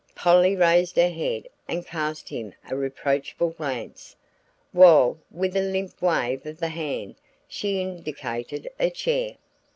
Polly raised her head and cast him a reproachful glance, while with a limp wave of the hand she indicated a chair.